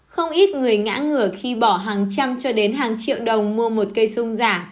không ít người ngã ngửa khi bỏ hàng trăm cho đến hàng triệu đồng mua một cây sung giả